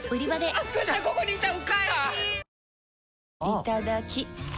いただきっ！